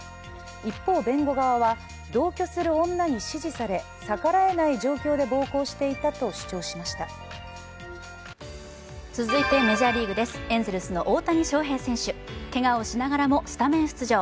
一方、弁護側は、同居する女に指示され逆らえない状況で暴行していたと主張しました続いてメジャーリーグ、エンゼルスの大谷翔平選手、けがをしながらもスタメン出場。